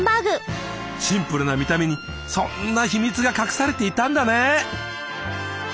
シンプルな見た目にそんな秘密が隠されていたんだね。